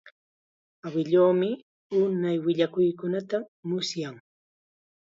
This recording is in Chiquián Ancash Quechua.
Awiluumi unay willakuykunata musyan.